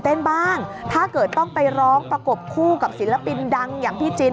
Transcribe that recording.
เต้นบ้างถ้าเกิดต้องไปร้องประกบคู่กับศิลปินดังอย่างพี่จิน